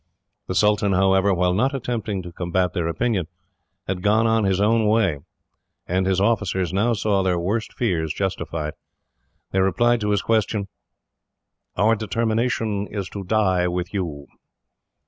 The Sultan, however, while not attempting to combat their opinion, had gone on his own way, and his officers now saw their worst fears justified. They replied to his question: "Our determination is to die with you."